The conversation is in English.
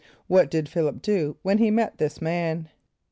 = What did Ph[)i]l´[)i]p do when he met this man?